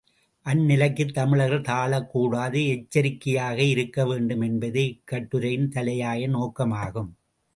அந்நிலைக்குத் தமிழர்கள் தாழக் கூடாது எச்சரிக்கையாக இருக்க வேண்டும் என்பதே இக்கட்டுரையின் தலையாய நோக்கமாகும்.